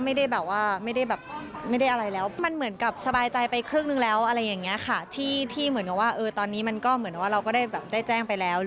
ไม่ได้แบบว่าไม่ได้แบบไม่ได้อะไรแล้วมันเหมือนกับสบายใจไปครึ่งนึงแล้วอะไรอย่างนี้ค่ะที่เหมือนกับว่าตอนนี้มันก็เหมือนว่าเราก็ได้แบบได้แจ้งไปแล้ว